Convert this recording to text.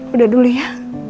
udah dulu ya